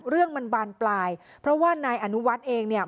เรื่องมันบานปลายเพราะว่านายอนุวัฒน์เองเนี่ย